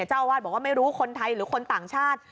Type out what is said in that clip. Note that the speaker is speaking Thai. เจ้าอาวาสบอกว่าไม่รู้คนไทยหรือคนต่างชาติ